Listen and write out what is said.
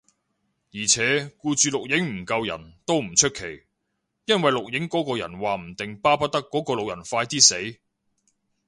而且，顧住錄影唔救人，都唔出奇，因為錄影嗰個人話唔定巴不得嗰個老人快啲死